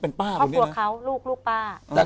ครอบครัวเขาลูกลูกป้า